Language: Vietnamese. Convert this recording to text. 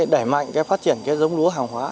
để mạnh phát triển giống lúa hàng hóa